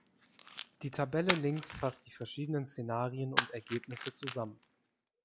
Die Tabelle links fasst die verschiedenen Szenarien und Ergebnisse zusammen.